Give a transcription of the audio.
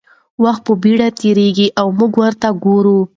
وخت په بېړه تېرېږي او موږ ورته ګورو.